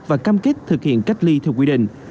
và cam kết thực hiện cách ly theo quy định